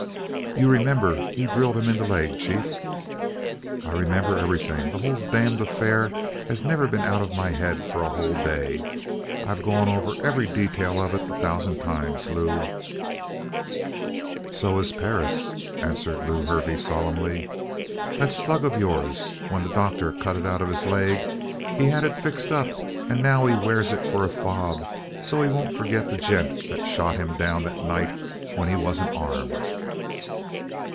"You remember you drilled him in the leg, chief?" "I remember everything. The whole damned affair has never been out of my head for a whole day. I've gone over every detail of it a thousand times, Lew!" "So has Perris," answered Lew Hervey solemnly. "That slug of yours when the doctor cut it out of his leg he had it fixed up and now he wears it for a fob so's he won't forget the gent that shot him down that night when he wasn't armed!"